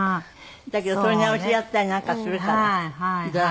だけど撮り直しやったりなんかするからドラマはね。